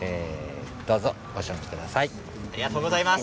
どうぞご賞味ください。